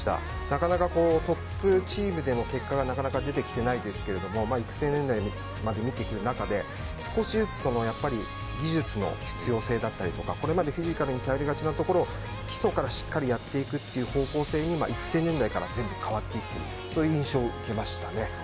なかなかトップチームでも結果が出てきていないですけれども育成年代まで見ていく中で少しずつ技術の必要性だったりとかこれまでフィジカルに頼りがちなところを基礎からしっかりとやっていく方向性に育成年代から全部変わっていっている印象を受けました。